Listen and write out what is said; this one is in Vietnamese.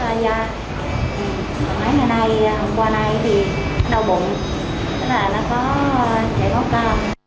hôm nay hôm qua này thì đau bụng tức là nó có chảy mốc cao